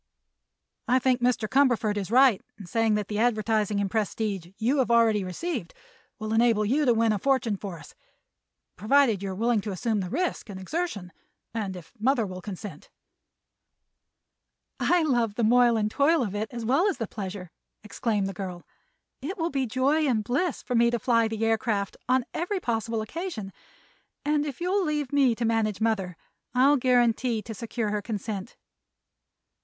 I think Mr. Cumberford is right in saying that the advertising and prestige you have already received will enable you to win a fortune for us—provided you are willing to assume the risk and exertion, and if mother will consent." "I love the moil and toil of it, as well as the pleasure," exclaimed the girl. "It will be joy and bliss to me to fly the aircraft on every possible occasion, and if you'll leave me to manage mother I'll guarantee to secure her consent."